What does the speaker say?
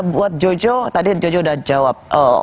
buat jojo tadi jojo udah jawab